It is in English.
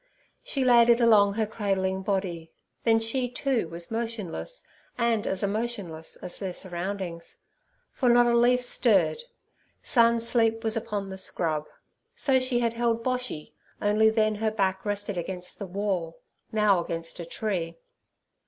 She laid it along her cradling body, then she, too, was motionless and as emotionless as their surroundings, for not a leaf stirred: sun sleep was upon the scrub. So she had held Boshy, only then her back rested against the wall, now against a tree.